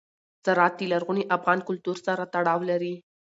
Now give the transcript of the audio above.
زراعت د لرغوني افغان کلتور سره تړاو لري.